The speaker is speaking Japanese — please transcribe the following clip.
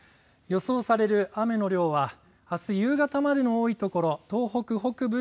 予想される雨の量はあす夕方までの多い所